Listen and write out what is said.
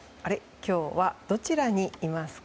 今日はどちらにいますか。